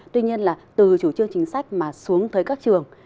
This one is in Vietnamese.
tuy nhiên là từ chủ trương chính sách mà xuống tới các trường